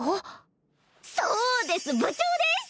そうです部長です！